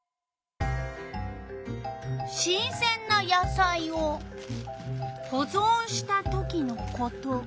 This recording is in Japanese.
新せんな野菜をほぞんしたときのこと。